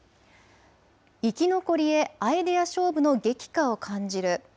生き残りへ、アイデア勝負の激化を感じる。